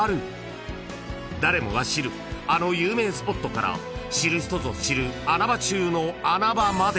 ［誰もが知るあの有名スポットから知る人ぞ知る穴場中の穴場まで］